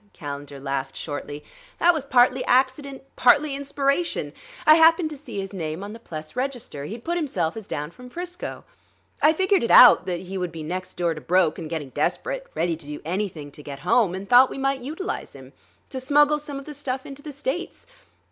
Calendar laughed shortly. "That was partly accident, partly inspiration. I happened to see his name on the Pless register; he'd put himself down as from 'Frisco. I figured it out that he would be next door to broke and getting desperate, ready to do anything to get home; and thought we might utilize him; to smuggle some of the stuff into the States.